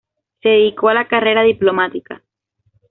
Se dedicó a la carrera diplomática.